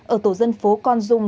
ở tổ dân phố con dung